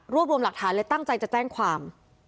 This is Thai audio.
รวมรวมหลักฐานเลยตั้งใจจะแจ้งความ